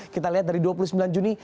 kita lihat dari dua puluh sembilan juni